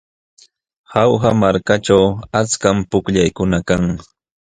Jauja malkaćhu achkam pukllaykuna kan.